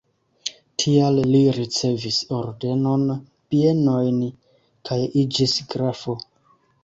Tial li ricevis ordenon, bienojn kaj iĝis grafo.